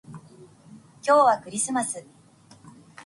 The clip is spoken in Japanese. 今日はクリスマス